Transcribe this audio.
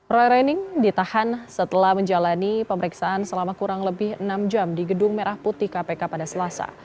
roy rening ditahan setelah menjalani pemeriksaan selama kurang lebih enam jam di gedung merah putih kpk pada selasa